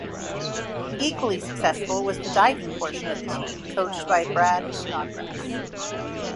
Equally successful was the diving portion of the team coached by Brad Snodgrass.